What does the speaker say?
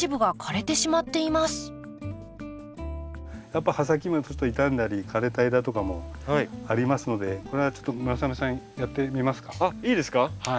やっぱ葉先もちょっと傷んだり枯れた枝とかもありますのでこれはちょっとあっいいですか？